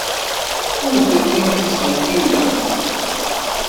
Ur tellimt tettqeyyilemt.